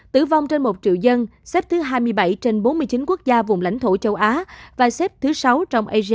tử vong trên một triệu dân xếp thứ hai mươi bảy trên bốn mươi chín quốc gia vùng lãnh thổ châu á và xếp thứ sáu trong ag